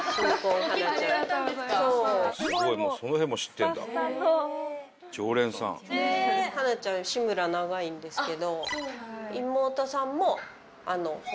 ・花ちゃん志むら長いんですけど。